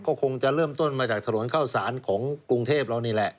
ก็คงจะเริ่มต้นมาจากถนนเข้าสารของกรุงเทพเรานี่แหละ